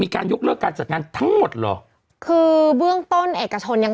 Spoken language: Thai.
คือทำยังไงก็ได้